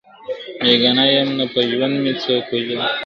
بېګناه یم نه په ژوند مي څوک وژلی !.